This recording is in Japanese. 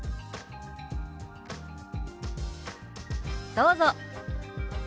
どうぞ。